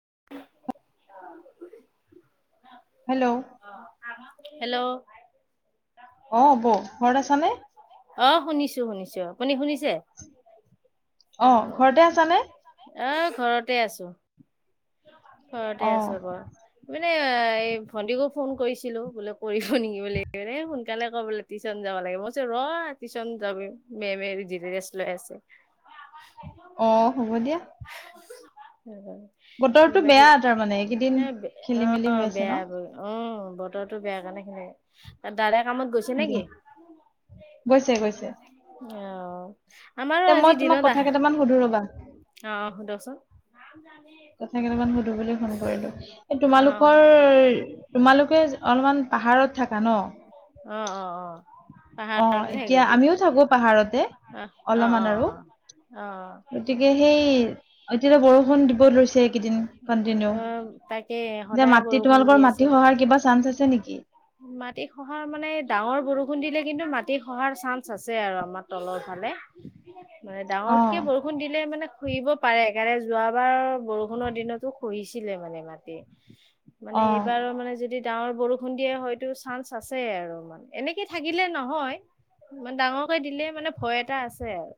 [unintelligible] Hello hello অ' বৌ ঘৰত আছানে? অ' শুনিছো-শুনিছো আপুনি শুনিছো? অ ঘৰতে আছা নে অ' ঘৰতে আছো ঘৰতে অ আছো ৰব। মানে এই ভণ্টিকো ফোন কৰিছিলো বোলে কৰিব নেকি বুলি মানে কালে কলে টিউশন যাব লাগে মইবুলিছোঁ ৰ। টিউশ্যন চন যাব মে-মে জিৰে ৰেষ্ট লৈ আছে। অ' হ'ব দিয়া। বতৰটো [unintelligible] বাকী বেয়া [unintelligible] তাৰমানে এইকেইদিন অহ,। খেলি মেলি হৈ আছে ন বেয়া অহ। বতৰটো বেয়া কাৰণে সেনে দাদাই কামত গৈছে নেকি [unintelligible] গৈছে, গৈছে। অহ' তে আমাৰো মই আজি তোমাক দিনত কথা আহ। কেইটামান সুধো ৰবা অহ, সোধকচোন। [unintelligible] কথা কেইটামান সুধো বুলিয়ে ফোন কৰিলো। এই অ তোমালোকৰ, তোমালোকে যে অলপমান পাহাৰত অহ', অহ', অহ'। অহ' এতিয়া আমিও থাকো পাহাৰতে, আহ অ অলপমান অ আৰু অ অ গতিকে, সেই এতিয়া বৰষুণ দিব ধৰিছে। এইকেইদিন কণ্টিনিউ, অ তাকে যে সদায় মাটি বৰষুণ দি তোমালোকৰ আছে মাটি খহাৰ কিবা চান্স আছে নেকি? মাটি খহাৰ মানে ডাঙৰ বৰষুণ দিলে কিন্তু, মাটি খহাৰ চান্স আছে আৰু আমাৰ তলৰ ভালে। মানে ডাঙৰকে অ বৰষুণ দিলে মানে শুহিব পাৰে কাৰণে যোৱাবাৰ বৰষুণৰ দিনতো খহিছিলে মানে মাটি অ মানে এইবাৰো মানে যদি ডাঙৰ বৰষুণ দিয়ে হয়তো চান্স আছে আৰু মানে, এনেকে থাকিলে নহয়। মানে ডাঙৰকে দিলে মানে, ভয় এটা আছে আৰু।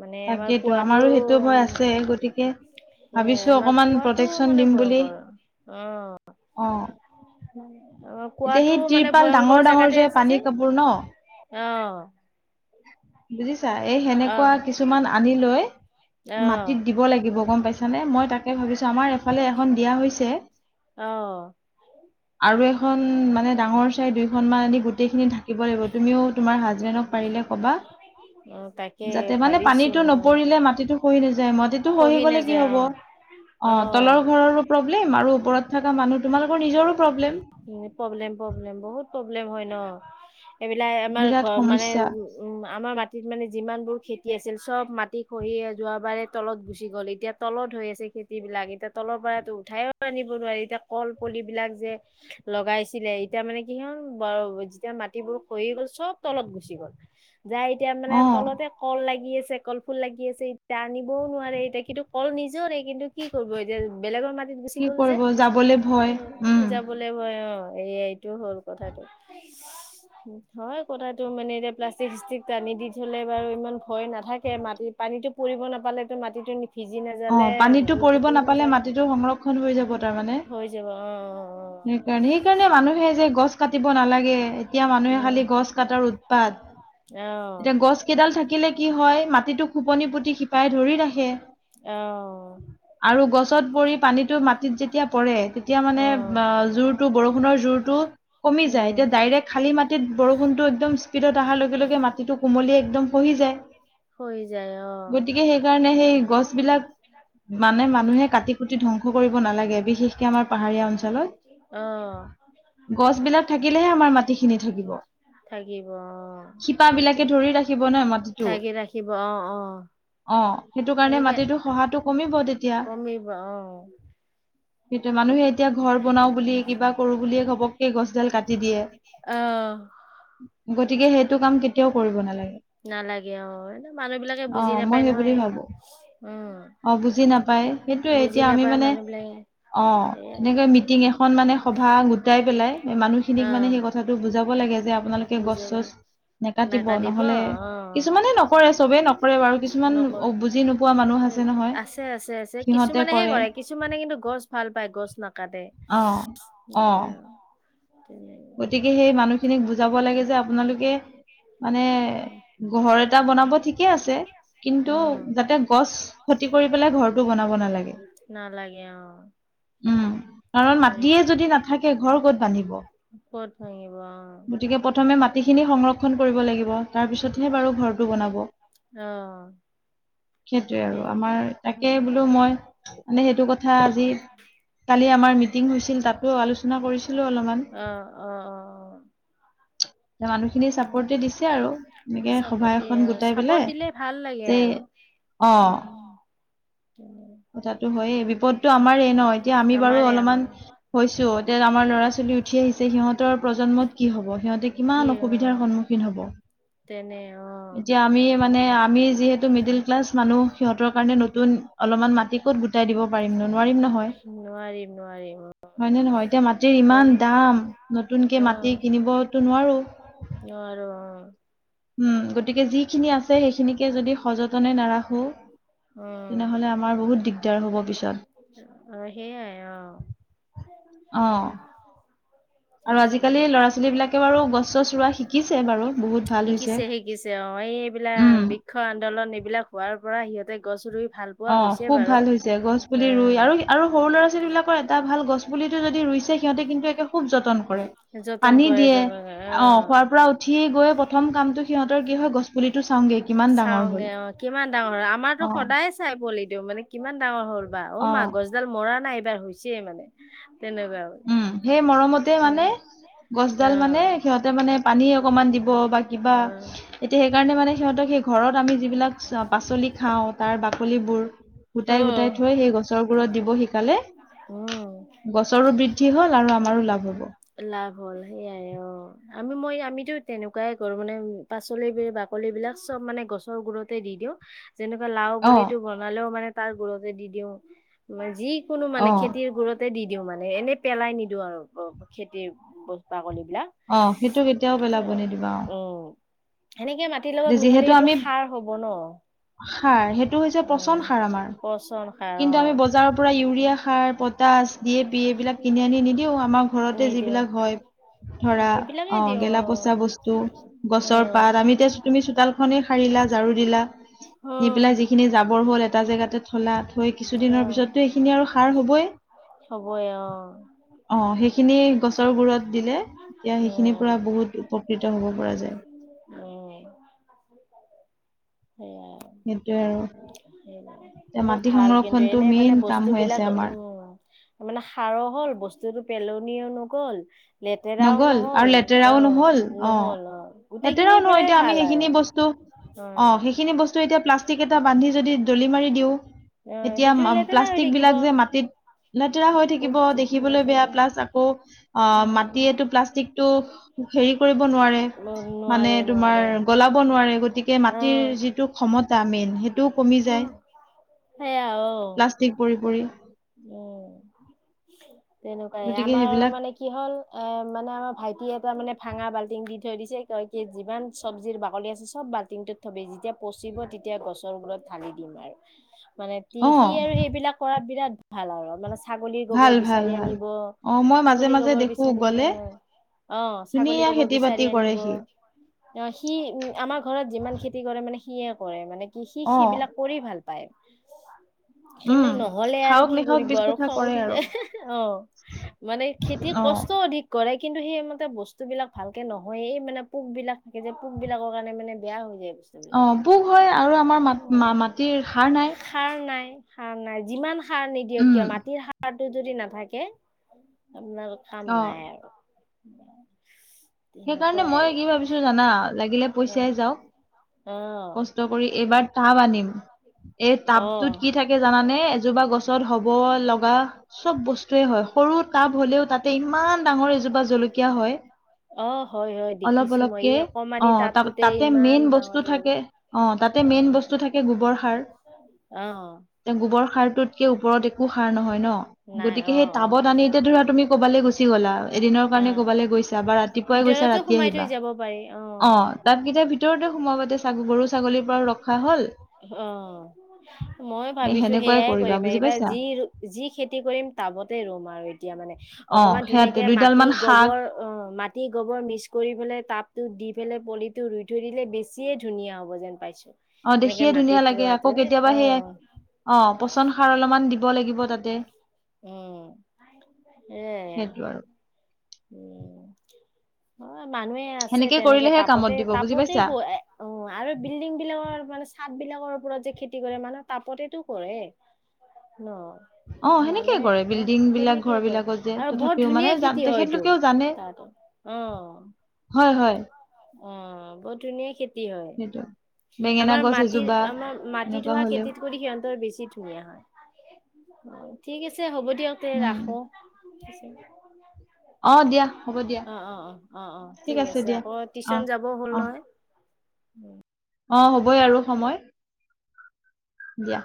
মানে আমাৰ তাকেইতো আমাৰো কোৱাটোৰো সেইটো ভয় আছে গতিকে সেয়াই, ভাবিছো আমাৰ অকমান কোৱাটো প্ৰটেকচন মানে দিম বুলি ভয়ংকৰ অ অহ। আমাৰ এতিয়া কোৱাতটো সেই মানে তিৰপাল ডাঙৰ ভয়ংকৰ ডাঙৰ জেগাতে যে আছে পানীৰ কাপোৰ ন যে। অহ। বুজিছা এই সেনেকুৱা কিছুমান আনি লৈ মাটিত অ', দিব লাগিব গম পাইছ মানে মই তাক তাকে ভাবিছো আমাৰ এফালে এখন দিয়া হৈছে। অ', আৰু এখন এখন মানে, ডাঙৰ চাই দুইখন মান আনি গোটেইখিনি‌ ঢাকি। থাকিব লাগিব, তুমিও তোমাৰ হাজবেণ্ডক পাৰিলে ক'বা। অ', তাকে যাতে মানে ভাবিছো পানীটো অ', নপৰিলে মাটিতো খহি নাযায়। মাটিটো খহি গ'লে কি নাযায় হব। অ', তলতৰ অ'। ঘৰৰও প্ৰব্লেম ওপৰত থকা মানুহ তোমালোকৰ নিজৰো প্ৰব্লেম অহ'। প্ৰব্লেম, প্ৰব্লেম বহুত প্ৰব্লেম হয় ন। এইবিলাক আমাৰ বিৰাট ঘৰ মানে সমস্যা উম, আমাৰ মাটিত মানে যিমান বোৰ খেতি আছিল। চব মাটি খহি যোৱাবাৰে তলত গুচি গ'ল। এতিয়া তলত হৈ আছে খেতিবিলাক, এতিয়া তলৰ পৰাতো উঠাইও আনিব নোৱাৰি, এতিয়া কল পলিবিলাক যে, লগাইছিলে এতিয়া মানে কি হ'ল, বাৰু যেতিয়া মাটিবোৰ খহি গ'ল চব। তলত গুচি গ'ল, যাই এতিয়া মানে অ তলতে কল লাগি আছে কল। ফুল লাগি আছে এতিয়া আনিবও নোৱাৰে এতিয়া কিন্তু কল নিজৰে কিন্তু কি কৰিব এতিয়া বেলেগৰ মাটি কি কৰিব, যাবলৈ ভয়। উম যাব লাগিব অ এয়া এইটো হ'ল কথাটো। হয় কথাতটো মানে, এতিয়া প্লাষ্টিক চিষ্টিক টানি দি থলে বাৰু ইমান ভয় নাথাকে মাটিত। পানীতটো পৰিব নাপালে টো মাটিটো ভিজি নাযালে অহ' পানীতটো পৰিব সৰি নাপালে নাযায় মাটিটো সংৰক্ষণ হৈ যাব উম তাৰমানে। হৈ যাব অ সেইকাৰণে, সেইকাৰণে মানুহে যে গছ কাটি কাটিব নালাগে এতিয়া মানুহে উম খালি গছ কাটাৰ উ পাত। আহ এতিয়া গছ কেইডাল থাকিলে কি হয় মাটি ৰাতিটো খোপনি পুতি শিপাই ধৰি ৰাখে। অহ'। আৰু গছত পৰি পানীটো মাটিত যেতিয়া পৰে তেতিয়া মানে অ জোৰতটো বৰষুণৰ জোৰতটো কমি যায় উম এতিয়া ডাইৰেক্ট খালী মাটিত বৰষুণতটো একদম স্পীডত অহাৰ লগে লগে মাটিটো কোমলিয়ে একদম খহি যায়। হৈ যায় অ গতিকে সেইকাৰণে সেই গছবিলাক মানে মানুহে কাটি কুটি ধ্বংস কৰিব নালাগে বিশেষকে আমাৰ পাহাৰীয়া অ অঞ্চলত। গছবিলাক থাকিলেহে আমাৰ মাটিখিনি থাকিব। থাকিব অহ। শিপাবিলাকে তাকে, ধৰি ৰাখিব থাকি ন মাটিটো ৰাখি ৰাখিব অ অ সেইকে সেটো সহাটো কমিব তেতীয়া। কমিব অ'। সেইটো মানুহে সেইকে এতিয়া ঘৰ বনাও বুলি কিবা কৰো বুলিয়ে ঘপকে। সেই ই গছডাল কাটি দিয়ে। অ গতিকে সেইটো কাম কেতিয়াও কৰিব নালাগে। নালাগে অ এ মানুহ বিলাকে অ বুজি মই নাপায় সেই বুলি নহয় ভাবো উম। অ বুজি নাপায় সেইটোয়ে বুজি এতিয়া আমি নাপায় মানে মানুহ বিলাকে অ সেয়াই এনেকে মিটিং এখন মানে সভা গোটাই পেলাই মানুহ খিনিক অ মানে সেই কথাটো বুজাব লাগে যে আপোনালোকে গছ এচ। বুজাবলৈ নাকাটিব নহ'লে, কিছুমানে নকৰে, চবে নকৰে, বাৰু কিছুমান নকৰ অ বুজি নোপোৱা মানুহ আছে নহয়। আছে আছে আছে কিছুমানে হে কৰে কিছুমানে কিন্তু গছ ভাল পায় গছ নাকাটে। অ সেইয়া অ আৰু। গতিকে সেই মানুহখিনিক বুজাব লাগে যে আপোনালোকে মানে ঘ বনাব ঠিকে আছে কিন্তু উম যাতে গছ ক্ষতি কৰি পেলায় ঘৰ। ঘৰ বনাব নালাগে। নালাগে অ উম কাৰণ মাটিয়ে সেইটো যদি নাথাকে ঘৰ ক'ত বান্ধিব। ক'ত ভাঙিব অ গতিকে প্ৰথমে মাটিখিনি সংৰক্ষন কৰিব লাগিব। তাৰ পিছতহে বাৰু ঘৰটো বনাব। অ সেইটোৱে আৰু সেই আমাৰ তাকে বোলো মই। মানে সেইটো কথা আজি কালি আমাৰ মিটিং হৈছিল, তাতো আলোচনা কৰিছিলো অলপমান। অ অ অ। [inaudible] যে মানুহখিনি চাপৰ্টে দিছে, আৰু এনেকে সভা চাপত এখন দিয়ে গোটাই চাপত পেলাই দিলে ভাল লাগে যে। আৰু অ উম কথাাতটো হয় বিপদ। টো আমাৰেই ন এতিয়া আমি বাৰু আমাৰে অলপমান আমাৰ হৈছো এতিয়া আমাৰ ল'ৰা ছোৱালী উঠি আহিছো সিহঁতৰ প্ৰজন্মত কি হব সিহঁতে কি কিমান অ অসুবিধাৰ সন্মুখীন হ'ব। তেনে অ এতিয়া আমি মানে আমি যিহেতু মিডিল ক্লাছ মানুহ সিহঁতৰ কাৰণে নতুন অলপমান। মাটি ক'ত গোটাই দিব পাৰিম নো নোৱাৰিম নহয় নোৱাৰিম নোৱাৰিম অ। হয়নে নহয় এতিয়া মাটিৰ ইমান দাম। নতুনকে মাটি আহ কিনিবতো নোৱাৰো অ নোৱাৰো অ। উম গতিকে যিখিনি আছে সেইখিনিকে যদি সযতনে নাৰাখোঁ উম। পিছত সেই আহ আহ। চছ ৰোৱা শিকিছে বাৰু বহুত ভাল হৈছে। শিকিছে শিকিছে অ এই এইবিলাক। উম বৃক্ষ আন্দোলন এইবিলাক হোৱাৰ পৰা সিহঁতে গছ ৰুই ভাল পোৱা অ হৈছে খুব বাৰু ভাল হৈছে। গছ পুলি ৰুই উম আৰু আৰু সৰু ল'ৰা ছোৱালী বিলাকৰ এটা ভাল গছ পুলিটো যদি ৰুই। অবশ্যে সিহঁতে, কিন্তুে খুব যতন কৰে। যতন পানী কৰে দিয়ে যতন কৰে অ খোৱাৰ পৰা উঠি গৈ। প্ৰথম কামটো সিহঁতৰ কি হয় গছপুলিটো। চাওগে অ কিমান ডাঙৰ আমাৰতো অ সদায় চাই বলি দিওঁ মানে। কিমান ডাঙৰ হ'ল বা অ মাগছডাল মৰা নাই এইবাৰ হৈছে মানে। তেনেকুৱা উম। সেই মৰমতে মানে গছডাল মানে অ সিহঁতে মানে পানী অকমান দিব। [inaudible] অ বাকলিবোৰ গোটাই গোটাই থৈ সেই গছৰ গুৰুত দিব শিকালে। উম। ৰো বৃদ্ধি হ'ল আমাৰো লাভ হ'ব। লাভ হ'ল সেইয়াই অ আমি মই আমিতো তেনেকুৱাই কৰো মানে পাচলি যি বাকলি। বাকল বিলাক চব মানে গছৰ গুৰিতে দি দিয়ক। যেনেকুৱা লাও অ', পলিটো বনালেও মানে তাৰ গোৰতে দি দিওঁ ম যি। কোনো মানে অ', খেতিৰ গুৰতে দি দিওঁ মানে, এনেই পেলাই নিদিওঁ আৰু খেতিৰ বাকলি। বিলাক অ সেইটো কেতিয়াও পেলাব নিদিবা অ। উম সেনেকে মাটিৰ যে লগত মিহলি যিহেতু সেইটো আমি সাৰ হব ন। সাৰ সেইটো হৈছে পচন উম সাৰ আমাৰ পচন সাৰ অ কিন্তু আমি বজাৰৰ পৰা ইউৰিয়া সাৰ প তচ দিয়ে পিয় এইবিলাক কিনি আনি নিদিও আমাৰ ঘৰতে নিদিওঁ যিবিলাক হয় ধৰা সেইবিলাকে অ' দিওঁ গেলা পচা অ বস্তু গছৰ উম পাত আমি এতিয়া তুমি চোতাল খনেই সাৰিলা ঝাৰু দিলা, দি পেলাই অ'। যিখিনি জাবৰ হল এটা জেগাতে থলা। থৈ কিছুদিনৰ পিছততো এইখিনি আৰু সাৰ হ'বই। চবৰে অ', অ' সেইখিনি গছ তৰ গুৰত দিলে এতিয়া সেইখিনিৰ পৰা উম, বহুত উপকৃত হ'ব পৰা যায়। আ [inaudible] সেইটোৱে আৰু [inaudible] এতিয়া সেইটো মাটি ভাল কিন্তু সংৰক্ষণটো এনে মানে মেইন কাম হৈ আছে বস্তুবিলাক আমাৰ উম মানে সাৰো হ'ল বস্তুতটো পেলো নিয় নগল। লেতেৰাও নগল আৰু নহ'ল লেতেৰাও নহল অ' নহল অ' লেতেৰাও গোটেইখিনিৰ নহয় পৰাই এতিয়া আমি ভাল আৰু সেইখিনি বস্তু অ' সেইখিনি বস্তু এতিয়া প্লাষ্টিক এটা বান্ধি যদি দলি মাৰি দিওঁ অ', এতিয়া সেইটোৱে লেতেৰা হৈ প্লাষ্টিক থাকিব। বিলাক যে মাটিত লেতেৰা হৈ থাকিব ক'ত দেখিবলৈ লেতেৰা বেয়া প্লাছ আকৌ অ' মাত উম, গতিটো প্লাষ্টিকটো হেৰি কৰিব নোৱাৰে মানে নোৱাৰে, তোমাৰ নোৱাৰে। গলাব নোৱাৰে গতিকে মাটিৰ অ', যিটো ক্ষমতা মেইন সেইটোও কমি যায় সেয়া ঔ প্লাষ্টিক পৰি পৰি উম। তেনেকুৱাই গতিকে আমাৰ সেইবিলাক মানে কি হ'ল এ মানে আমাৰ ভাইটিে এটাৰ মানে ভাঙা বাল্টিং দি থৈ দিছে তই কি যিমান চব্জিৰ বাকলি আছে চব বাল্টিংটোত থবি যেতিয়া পচিব তি তিয়া গছৰ গুৰত ঢালি দিম আৰু। মানে অ সি আৰু সেইবিলাক কৰা বিৰাট ভাল আৰু মানে ছাগলীৰ ভাল গোবৰ ভাল বিচাৰি ভাল আনিব, অ মই মাজে ছাগলী মাজে গোবৰ দেখো বিচাৰি এ গ'লে অ। অ, ছাগলী ধুনীয়া কব খেতি বিচাৰি বাতি কৰে আনিব। সি অ সি উ আমাৰ ঘৰত যিমান খেতি কৰে মানে সিয়ে কৰে মানে, কি সি অ সেইবিলাক কৰি ভাল পায়। উম কিন্তু নহলে আৰু খাওক কি নেখাওক কৰিব পিছ আৰু কথা খং কৰে উঠি আৰু যায় অ, মানে খেতি অ কষ্ট অধিক কৰে কিন্তু সেইমতে বস্তুবিলাক ভালকে নহয়েই, মানে পোকবিলাক থাকে যে পোকবিলাকৰ কাৰণে মানে বেয়া হৈ যায়। অ বস্তুবিলাক পোক হয় আৰু আমাৰ উম, ম মাটিৰ সাৰ নাই সাৰ নাই সাৰ নাই যিমান সাৰ নিদিয়ক উম কিয় মাটিৰ সাৰ টো যদি নাথাকে আপোনাৰ কাম অ নাই আৰু সেইকাৰণে তেনেকুৱাই মই আৰু কি ভাবিছো জানা লাগিলে উম, পইচাই যাওক অ কষ্ট কৰি এইবাৰ টাব আনিম, এই অ টাবটোত কি থাকে জানানে? এজোপা গছত হ'ব লগা চব বস্তুৱে হয়, সৰু টাব হ'লেও তাতে ইমান ডাঙৰ এজ জোপা জলকীয়া হয়। অ হয় হয় অলপ দেখিছো মই অলপকে, এই অ অকমানি ত টাবটোতে তাতে ইমান মেইন বস্তু ডাঙৰ থাকে জলকীয়া অ তাতে মেইন বস্তু থাকে গোবৰ সাৰ, অ গোব টোতকে ওপৰত একো সাৰ নহয় ন, নাই গতিক অ সেই অ টাবত আনি এতিয়া ধৰা তুমি ক'বালৈ গুচি গলা এদিন অ কাৰণে ক'বালৈ গৈছে বা ৰাতি ৰাতিপুৱাই গৈছা ভিতৰতো ৰাতি সোমাই থৈ আহিবা যাব পাৰি অ টাবকেইটা ভিতৰতে সোমাবা গৰু ছাগলীৰ পৰাও ৰ খা হল। অ, মই ভাবিছো সেনেকুৱাই সেয়াই কৰিবা কৰিম বুজি এইবাৰ পাইছা যি যি খেতি কৰিম তাবতে ৰুম আৰু এতিয়া মানে অ অকণমান ধুনীয়া সেয়াতে এনেকে দুইডাল মাটি মান শাক গোবৰ অ মাটি গোবৰ মিক্স কৰি পেললে তাপতোত দি পেলাই পলিটো ৰুই থৈ দিলে বেছিয়ে ধুনীয়া হ'ব যেন পাইছো অ' এনেকে দেখিয়ে ধুনীয়া মাটিত লাগে ৰোৱাটো আকৌ নে কেতিয়াবা অ সেই অ' পচন সাৰ অলপমান দিব লাগিব তাত অহ সেইটো আৰু এ উম হয় মানুহে আছে সেনেকে তেনেকে কৰিলেহে তাপতে কামত দিব বুজি তাপতে পাইছা বয় অ' আৰু বিল্ডিং বিলাকৰ মানে চাদ বিলাকৰ ওপৰত যে খেতি কৰে মানে তাপতেইটো কৰে ন অ সেনেকে মানুহে কৰে অ' বিল্ডিং বিলাক তেনেকে ঘৰ কৰে বিলাকত যে আৰু বৰ তথাপিও মানে ধুনীয়া খেতি হয়টো তেখেতলোকেও জানে তাত অ' হয় হয় অ' বহুত ধুনীয়া খেতি হয় সেইটো বেঙেনা আমাৰ গছ মাটিৰ এজোপা আমাৰ মাটি এনেকুৱা ধোৱা হলেও খেতিত কৰি সিহঁতৰ বেছি ধুনীয়া হয় [inaudible] অ' ঠিক আছে হ'ব দিয়ক তে উম ৰাখো অ দিয়া হ'ব দিয়া অ' অ' অ' ঠিক আছে আকৌ অ টিউশচন যাব হ'ল অ নহয় উম অ, হ'বই আৰু সময় দিয়া।